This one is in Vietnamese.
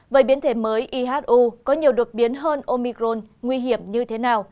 vậy biến thể mới ihu có nhiều được biến hơn omicron nguy hiểm như thế nào